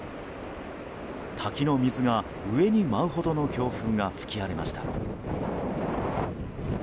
滝の水が上に舞うほどの強風が吹き荒れました。